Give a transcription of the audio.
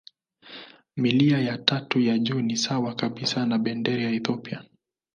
Milia ya tatu ya juu ni sawa kabisa na bendera ya Ethiopia.